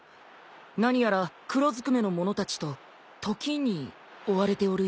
何やら黒ずくめの者たちと時に追われておるようだな。